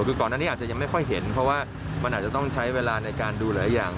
คือก่อนอันนี้อาจจะยังไม่ค่อยเห็นเพราะว่ามันอาจจะต้องใช้เวลาในการดูหลายอย่าง